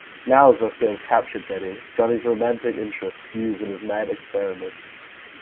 Now Ziska has captured Betty, Johnny's romantic interest, to use in his mad experiments.